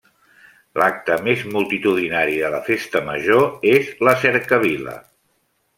L’acte més multitudinari de la Festa Major és la Cercavila.